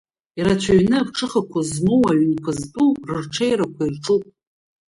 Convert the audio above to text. Ирацәаҩны аԥҽыхақәа змоу аҩнқәа зтәу рырҽеирақәа ирҿуп.